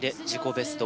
ベスト